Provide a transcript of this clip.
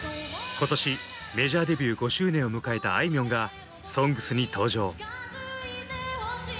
今年メジャーデビュー５周年を迎えたあいみょんが「ＳＯＮＧＳ」に登場。